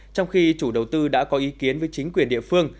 trong khi chủ đầu tư đã có ý kiến với chính quyền địa phương